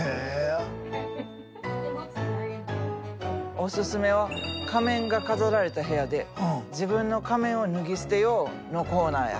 おすすめは「仮面が飾られた部屋で自分の仮面を脱ぎ捨てよう！」のコーナーや。